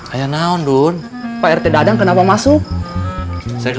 ayah naon dun pak rt dadang kenapa masuk saya ke